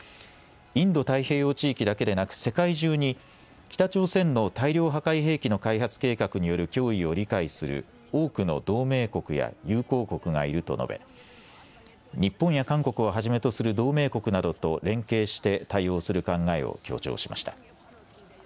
インド太平洋地域だけでなく、世界中に、北朝鮮の大量破壊兵器の開発計画による脅威を理解する多くの同盟国や友好国がいると述べ、日本や韓国をはじめとする同盟国などと連携して対応する考えを強調しました。